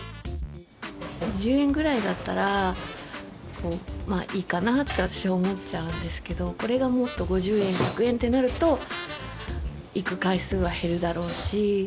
２０円ぐらいだったら、まあいいかなって、私は思っちゃうんですけど、これがもっと、５０円、１００円となると、行く回数は減るだろうし。